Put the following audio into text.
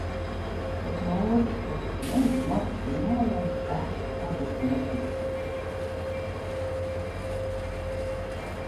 Bet nu no otras puses, a ja nu smagi slimojam, eh, gudrs netiksi...